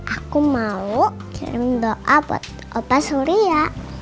aku mau kirim doa buat opa surya